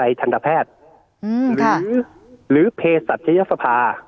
แค่วิทยาลัยธรรมแพทย์หรือเพศจรรยศภา